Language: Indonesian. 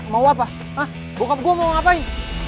mau apa ah bokap gue mau ngapain